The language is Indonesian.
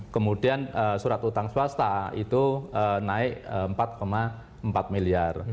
kemudian surat utang swasta itu naik empat empat miliar